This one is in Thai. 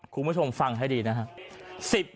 คุณผู้ชมฟังให้ดีนะครับ